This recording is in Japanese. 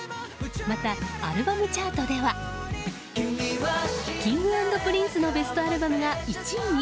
また、アルバムチャートではＫｉｎｇ＆Ｐｒｉｎｃｅのベストアルバムが１位に。